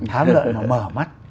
hám lợi mà mở mắt